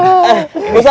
aduh ini dia